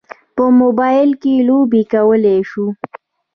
په موبایل کې لوبې کولی شو.